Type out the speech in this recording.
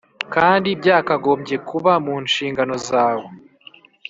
kandi byakagombye kuba mu nshingano zawe.